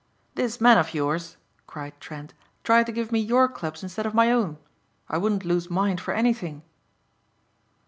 "This man of yours," cried Trent, "tried to give me your clubs instead of my own. I wouldn't lose mine for anything."